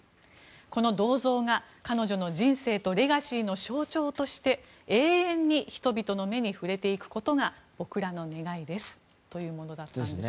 この銅像が彼女の人生とレガシーの象徴として、永遠に人々の目に触れていくことが僕らの願いですというものだったんです。